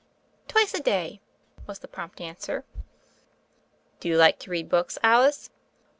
"Twice a day," was the prompt answer. "Do you like to read books, Alice?"